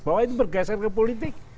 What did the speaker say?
bahwa itu bergeser ke politik